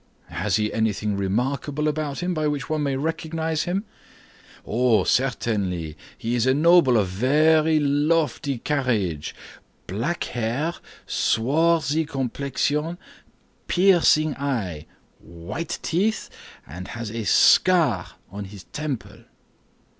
"Has he anything remarkable about him by which one may recognize him?" "Oh, certainly; he is a noble of very lofty carriage, black hair, swarthy complexion, piercing eye, white teeth, and has a scar on his temple."